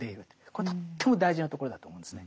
これとっても大事なところだと思うんですね。